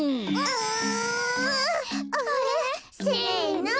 うん。